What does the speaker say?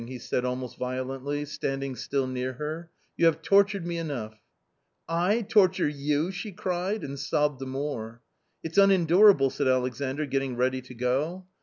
" he said almost violently, standing still near her, " you have tortured me enough !" u I torture you !" she cried, and sobbed the more. "It's unendurable!" said Alexandr, getting ready to go.